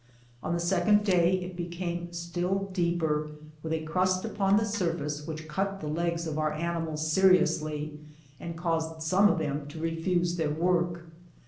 On the second day it became still deeper, with a crust upon the surface, which cut the legs of our animals seriously, and caused some of them to refuse their work.